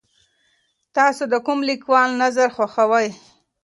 تاسو د کوم لیکوال نظر خوښوئ؟